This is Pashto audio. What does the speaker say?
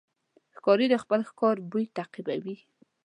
ښکاري د خپل ښکار بوی تعقیبوي.